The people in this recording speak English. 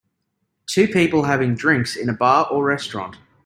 Two people having drinks in a bar or restaurant.